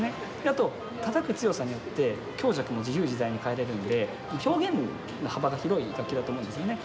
あとたたく強さによって強弱も自由自在に変えれるんで表現の幅が広い楽器だと思うんですよね。